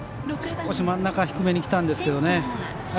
少し真ん中低めにきたんですけどね。